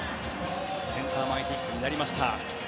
センター前ヒットになりました。